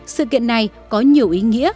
sự kiện này có nhiều ý nghĩa